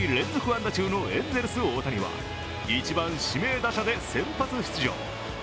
安打中のエンゼルス・大谷は１番・指名打者で先発出場。